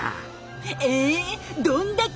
ええどんだけ！